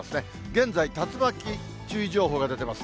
現在、竜巻注意情報が出てます。